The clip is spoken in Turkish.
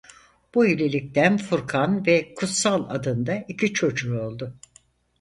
Bu evlilikten Furkan ve Kutsal adında iki çocuğu oldu.